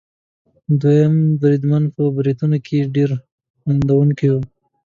دوهم بریدمن په بریتونو کې ډېر خندوونکی وو.